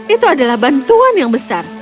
itu adalah bantuan yang besar